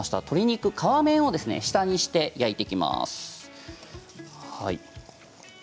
鶏肉、皮面を下にして焼いていきます。